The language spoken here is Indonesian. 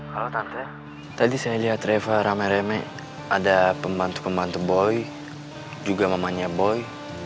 halo tante tadi saya lihat reva rame rame ada pembantu pembantu boy juga namanya boy